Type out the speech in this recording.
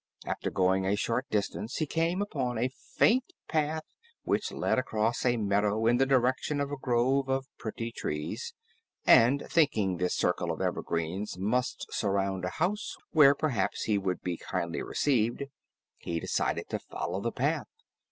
After going a short distance, he came upon a faint path which led across a meadow in the direction of a grove of pretty trees, and thinking this circle of evergreens must surround a house where perhaps he would be kindly received, he decided to follow the path.